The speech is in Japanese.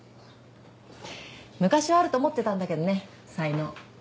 昔はあると思ってたんだけどね才能。